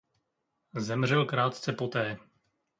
Zemřel krátce poté.